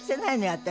私。